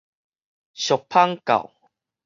俗麭 𩛩